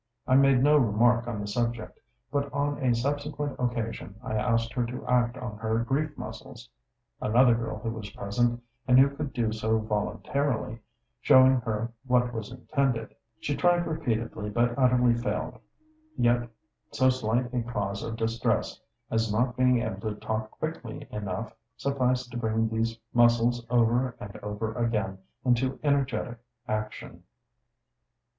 I made no remark on the subject, but on a subsequent occasion I asked her to act on her grief muscles; another girl who was present, and who could do so voluntarily, showing her what was intended. She tried repeatedly, but utterly failed; yet so slight a cause of distress as not being able to talk quickly enough, sufficed to bring these muscles over and over again into energetic action.